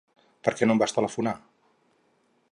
Per què no em vas telefonar?